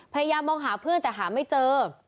พยายามมองหาเพื่อนแต่หาไม่เจอ